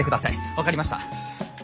分かりました。